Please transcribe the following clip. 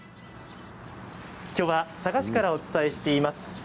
きょうは佐賀市からお伝えしています。